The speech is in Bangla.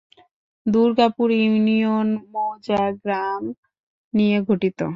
দুর্গাপুর ইউনিয়ন মৌজা/গ্রাম নিয়ে গঠিত।